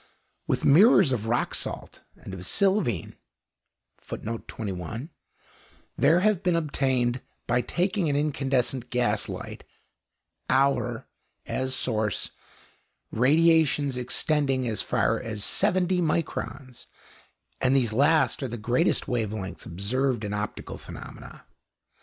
With mirrors of rock salt and of sylvine there have been obtained, by taking an incandescent gas light (Auer) as source, radiations extending as far as 70 microns; and these last are the greatest wave lengths observed in optical phenomena.